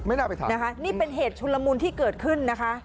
ไม่น่าไปทำนี่เป็นเหตุชุลมูลที่เกิดขึ้นนะคะ